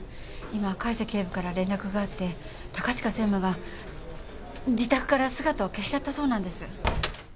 今貝瀬警部から連絡があって高近専務が自宅から姿を消しちゃったそうなんです。